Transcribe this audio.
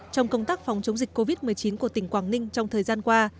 trong công tác phòng chống dịch covid một mươi chín của tỉnh quảng ninh trong thời gian qua